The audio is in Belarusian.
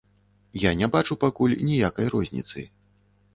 Я не бачу, пакуль ніякай розніцы!